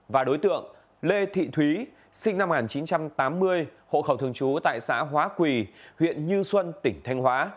và đối tượng lê thị thúy sinh năm một nghìn chín trăm tám mươi hộ khẩu thường trú tại xã hóa quỳ huyện như xuân tỉnh thanh hóa